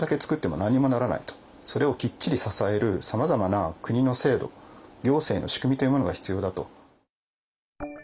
それをきっちり支えるさまざまな国の制度行政の仕組みというものが必要だと。